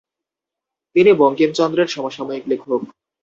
তিনি বঙ্কিমচন্দ্রের সমসাময়িক লেখক।